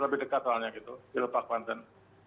lebih dekat soalnya gitu di lepak banten